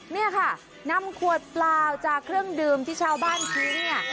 เนี่ยค่ะนำขวดเปล่าจากเครื่องดื่มที่ชาวบ้านทิ้งเนี่ย